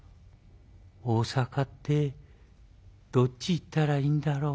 大坂ってどっち行ったらいいんだろう」。